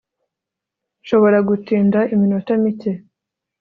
nshobora gutinda iminota mike